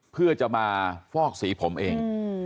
เพื่อจะมาฟอกสีผมเอง